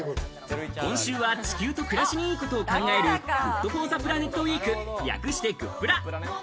今週は地球と暮らしにいいことを考えるＧｏｏｄＦｏｒｔｈｅＰｌａｎｅｔウィーク、略してグップラ。